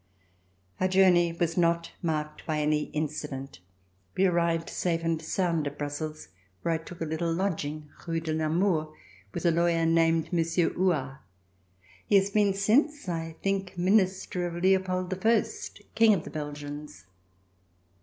Our journey was not marked by any incident. We arrived safe and sound at Brussels where I took a little lodging Rue de Namur, with a lawyer named Monsieur Huart. He has been since, I think, Minister of Leopold I, King of the Belgians.